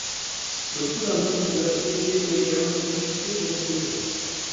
Le poulain montre de la qualité mais également des difficultés pour rester au trot.